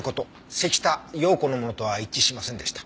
関田陽子のものとは一致しませんでした。